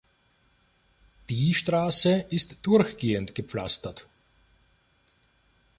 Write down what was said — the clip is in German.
Die Straße ist durchgehend gepflastert.